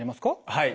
はい。